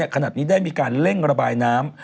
ขณะนี้ได้มีการเร่งระบายน้ำ